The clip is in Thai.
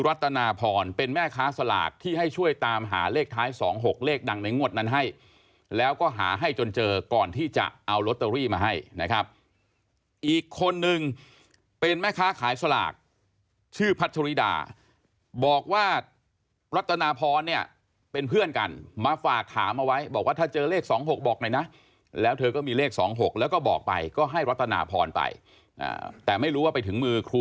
รัตนาพรเป็นแม่ค้าสลากที่ให้ช่วยตามหาเลขท้าย๒๖เลขดังในงวดนั้นให้แล้วก็หาให้จนเจอก่อนที่จะเอาลอตเตอรี่มาให้นะครับอีกคนนึงเป็นแม่ค้าขายสลากชื่อพัชริดาบอกว่ารัตนาพรเนี่ยเป็นเพื่อนกันมาฝากถามเอาไว้บอกว่าถ้าเจอเลข๒๖บอกหน่อยนะแล้วเธอก็มีเลข๒๖แล้วก็บอกไปก็ให้รัตนาพรไปแต่ไม่รู้ว่าไปถึงมือครู